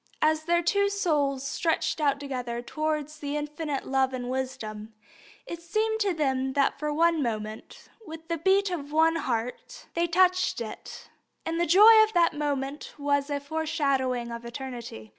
As their two souls stretched out together towards the infinite Love and Wisdom, it seemed to them that for one moment, with one beat of the heart, they touched It, and the joy of that moment was a foreshadowing of eternity.